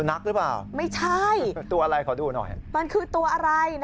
นักหรือเปล่าไม่ใช่ตัวอะไรขอดูหน่อยมันคือตัวอะไรนะ